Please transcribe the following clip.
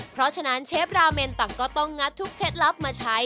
เพราะฉะนั้นเชฟราเมนต่างก็ต้องงัดทุกเคล็ดลับมาใช้